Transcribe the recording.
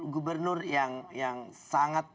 gubernur yang sangat